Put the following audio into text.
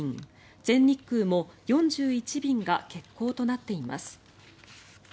全日空も４１便が欠航となっています。